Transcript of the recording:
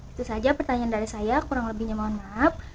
itu saja pertanyaan dari saya kurang lebihnya mohon maaf